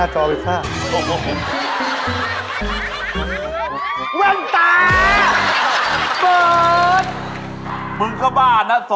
น้าโทรศัพท์มาดูดิ